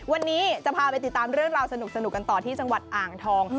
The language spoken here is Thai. วันนี้จะพาไปติดตามเรื่องราวสนุกกันต่อที่จังหวัดอ่างทอง